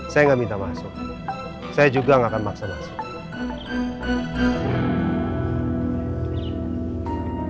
saya nggak minta masuk saya juga nggak akan maksa masuk